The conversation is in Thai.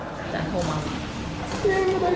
จันโทรมา